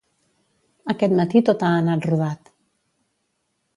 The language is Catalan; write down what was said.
Aquest matí tot ha anat rodat